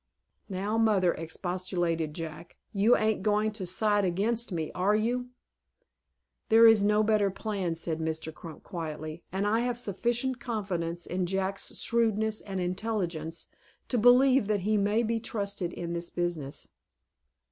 "Now, mother," expostulated Jack, "you ain't going to side against me, are you?" "There is no better plan," said Mr. Crump, quietly, "and I have sufficient confidence in Jack's shrewdness and intelligence to believe he may be trusted in this business."